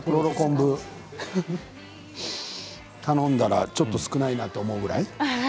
とろろ昆布を頼んだらちょっと少ないなと思うくらい。